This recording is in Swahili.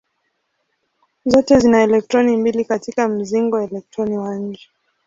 Zote zina elektroni mbili katika mzingo elektroni wa nje.